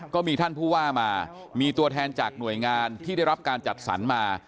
ก็มีท่านผู้ว่ามามีตัวแทนจากหน่วยงานที่ได้รับการจัดสรรมา